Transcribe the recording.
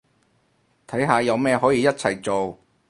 睇下有咩可以一齊做